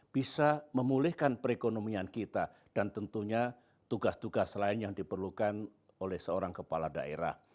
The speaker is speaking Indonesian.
bisa memulihkan perekonomian kita dan tentunya tugas tugas lain yang diperlukan oleh seorang kepala daerah